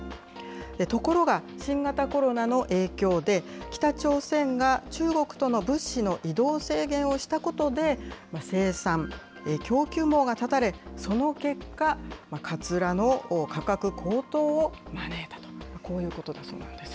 ところが、新型コロナの影響で、北朝鮮が中国との物資の移動制限をしたことで、生産、供給網が絶たれ、その結果、かつらの価格高騰を招いたと、こういうことだそうです。